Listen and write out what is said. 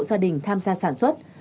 gia đình tham gia sản xuất